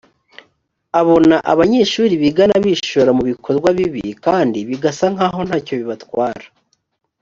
abona abanyeshuri bigana bishora mu bikorwa bibi kandi bigasa nk’aho nta cyo bibatwara